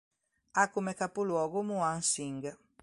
Ha come capoluogo Muang Sing.